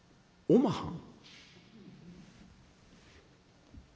おまはん？